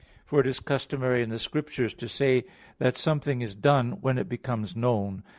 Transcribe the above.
For it is customary in the Scriptures to say that something is done when it becomes known.